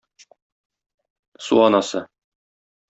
Су анасы